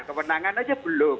kemenangan aja belum